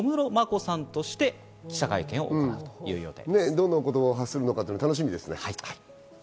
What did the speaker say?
どんなお言葉を発するのか楽しみです。